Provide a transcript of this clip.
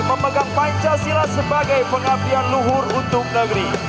memegang pancasila sebagai pengabdian luhur untuk negeri